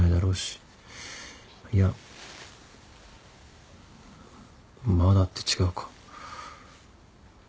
いや「まだ」って違うか。